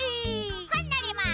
ほんのります！